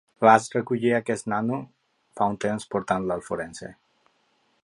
Vaig recollir aquest nano fa un temps portant-lo al forense.